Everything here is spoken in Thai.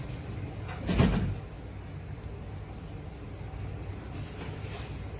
สวัสดีครับ